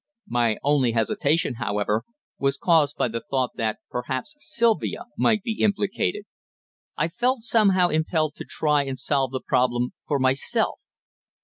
My only hesitation, however, was caused by the thought that perhaps Sylvia might be implicated. I felt somehow impelled to try and solve the problem for myself.